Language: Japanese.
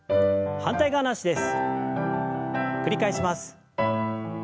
反対側の脚です。